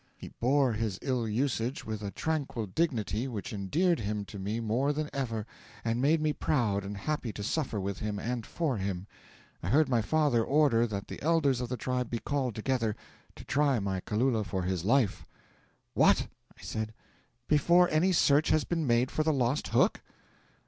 He bore his ill usage with a tranquil dignity which endeared him to me more than ever, and made me proud and happy to suffer with him and for him. I heard my father order that the elders of the tribe be called together to try my Kalula for his life. '"What!" I said, "before any search has been made for the lost hook?"